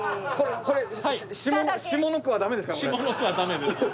これ下の句は駄目ですか？